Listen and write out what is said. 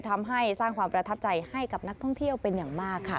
ทำให้สร้างความประทับใจให้กับนักท่องเที่ยวเป็นอย่างมากค่ะ